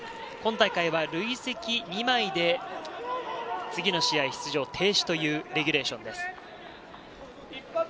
今大会は累積２枚で次の試合、出場停止というレギュレーションです。